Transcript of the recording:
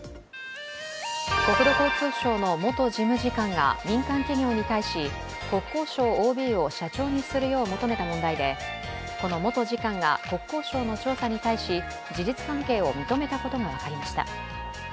国土交通省の元事務次官が民間企業に対し、国交省ＯＢを社長にするよう求めた問題でこの元次官が国交省の調査に対し事実関係を認めたことが分かりました。